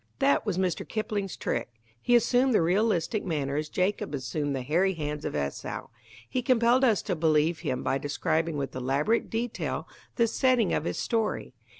That was Mr. Kipling's trick. He assumed the realistic manner as Jacob assumed the hairy hands of Esau. He compelled us to believe him by describing with elaborate detail the setting of his story.